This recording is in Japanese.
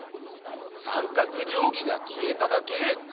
三角定規が消えただけ？